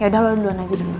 ya udah lo duluan aja dulu